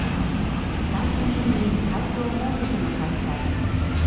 ３年ぶりに会場を設けての開催。